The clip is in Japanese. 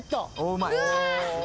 うわ！